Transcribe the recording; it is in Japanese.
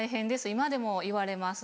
今でも言われます。